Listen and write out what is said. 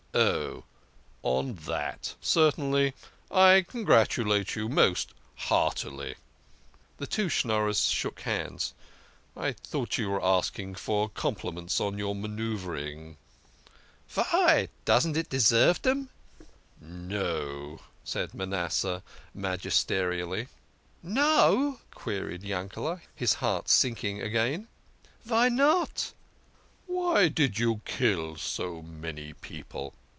"Oh, on that? Certainly, I congratulate you most heartily." The two Schnorrers shook hands. " I thought you were asking for compliments on your manoeuvring." " Vy, doesn't it deserve dem?" " No," said Manasseh magisterially. " No ?" queried Yankel6, his heart sinking again. " Vy not?" " Why did you kill so many people